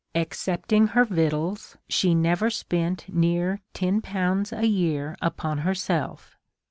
Excepting her victuals, she never spent ten pounds a year upon herself.